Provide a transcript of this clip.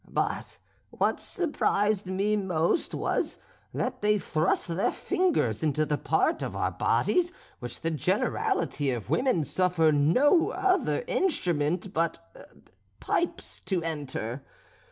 But what surprised me most was, that they thrust their fingers into the part of our bodies which the generality of women suffer no other instrument but pipes to enter.